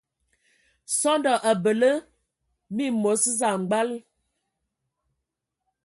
Sɔndɔ a bəle məmos samgbal.